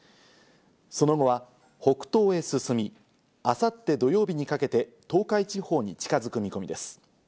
その後は北東へ進み、明後日、土曜日にかけて、東海地方に近づく見込みです。